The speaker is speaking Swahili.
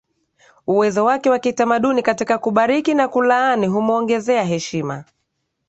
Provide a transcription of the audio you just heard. uwezo wake wa kitamaduni katika kubariki na kulaani humuongezea heshima